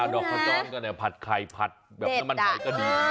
ดอกขจรก็ได้ผัดไข่ผัดแบบน้ำมันหอยก็ดี